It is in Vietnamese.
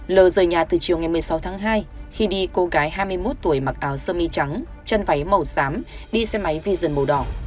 lờ rời nhà từ chiều ngày một mươi sáu tháng hai khi đi cô gái hai mươi một tuổi mặc áo sơ mi trắng chân váy màu xám đi xe máy vision màu đỏ